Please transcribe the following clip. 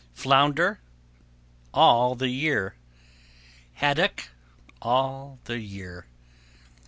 Flounder All the year. Haddock All the year.